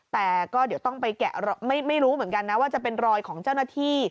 แต่ก็เดี๋ยวต้องไปแกะไม่รู้เหมือนกันนะว่าจะเป็นรอยของเจ้าหน้าที่